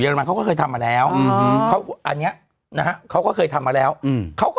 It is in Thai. รมันเขาก็เคยทำมาแล้วอืมเขาอันเนี้ยนะฮะเขาก็เคยทำมาแล้วอืมเขาก็